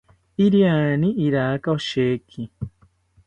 iriani iraka osheki